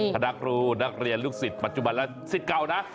คณะครูนักเรียนลูกศิษย์ปัจจุบันและสิทธิ์เก่านะ